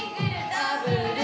ダブル。